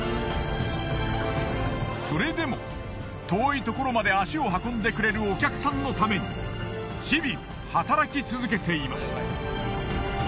それでも遠いところまで足を運んでくれるお客さんのために日々働き続けています。